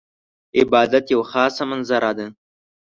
عبادت یوه خاضه منظره ده .